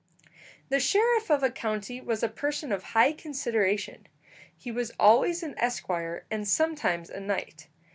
The sheriff of a county was a person of high consideration. He was always an esquire, and sometimes a knight.